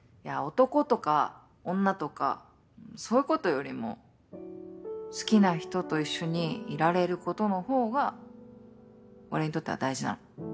男とか女とかそういうことよりも好きな人と一緒にいられることの方が俺にとっては大事なの。